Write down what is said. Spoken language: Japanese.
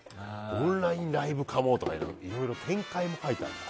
オンラインライブ化も、とかいろいろ展開も書いてあって。